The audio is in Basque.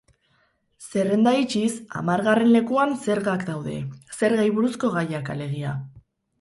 Zerrenda itxiz, hamargarren lekuan zergak daude, zergei buruzko gaiak, alegia.